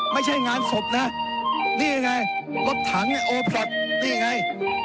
ไม่ใช่งานศพนะนี่ไงรถถังไอโอพลอตนี่ไง